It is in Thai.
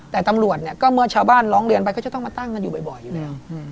แต่ตำรวจเนี่ยก็เมื่อชาวบ้านร้องเรียนไปก็จะต้องมาตั้งกันอยู่บ่อยอยู่แล้ว